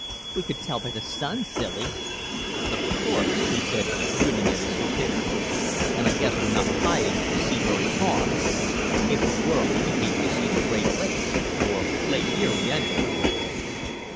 "We could tell by the sun, silly." "Of course," he said, grinning at his stupidity. "And I guess we're not high enough to see very far. If we were we'd be able to see the Great Lakes or Lake Erie, anyway."